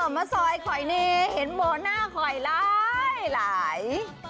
เมอร์สอยคอยเนเห็นเมอร์หน้าคอยล้ายหลาย